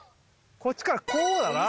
こっちからこうだな？